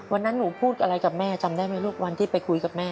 วันนั้นหนูพูดอะไรกับแม่จำได้ไหมลูกวันที่ไปคุยกับแม่